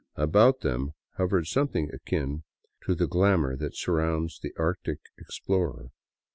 About them hovered something akin to the glamour that surrounds the Arctic ex plorer.